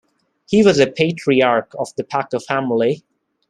He was a patriarch of the Packer family.